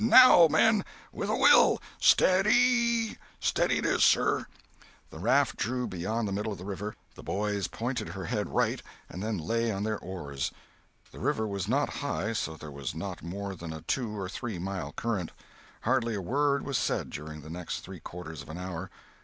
Now, men! With a will! Stead y y y!" "Steady it is, sir!" The raft drew beyond the middle of the river; the boys pointed her head right, and then lay on their oars. The river was not high, so there was not more than a two or three mile current. Hardly a word was said during the next three quarters of an hour.